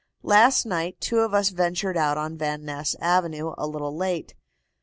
"Last night two of us ventured out on Van Ness Avenue a little late.